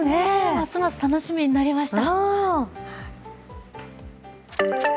ますます楽しみになりました。